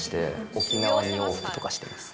沖縄２往復とかしてます。